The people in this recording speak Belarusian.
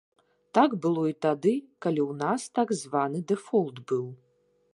Так было і тады, калі ў нас так званы дэфолт быў.